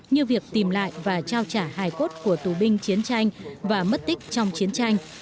như việc tìm lại và trao trả hài cốt của tù binh chiến tranh và mất tích trong chiến tranh